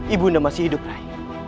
ibunda masih hidup ray